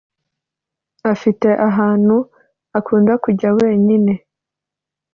Afite ahanu akunda kujya wenyine